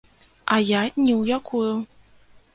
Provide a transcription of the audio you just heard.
А я ні ў якую.